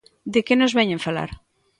¿De que nos veñen falar?